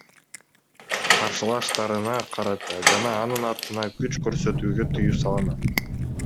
Каршылаштарына карата жана анын атына күч көрсөтүүгө тыюу салынат.